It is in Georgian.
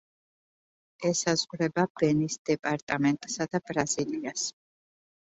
ესაზღვრება ბენის დეპარტამენტსა და ბრაზილიას.